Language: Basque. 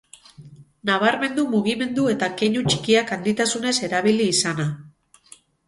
Nabarmendu mugimendu eta keinu txikiak handitasunez erabili izana.